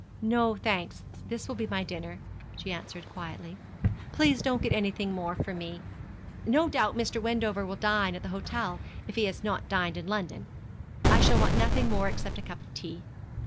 'No thanks; this will be my dinner,' she answered quietly. 'Please don't get anything more for me. No doubt Mr. Wendover will dine at the hotel, if he has not dined in London. I shall want nothing more except a cup of tea.'